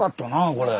これ。